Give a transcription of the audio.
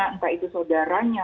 entah itu saudaranya